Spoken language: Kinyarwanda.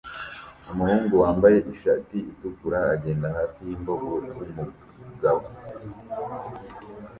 Umuhungu wambaye ishati itukura agenda hafi yimboga zumugabo